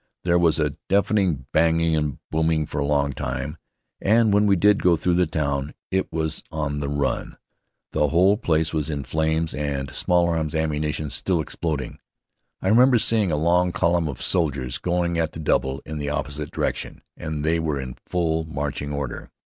There was a deafening banging and booming for a long time, and when we did go through the town it was on the run. The whole place was in flames and small arms ammunition still exploding. I remember seeing a long column of soldiers going at the double in the opposite direction, and they were in full marching order.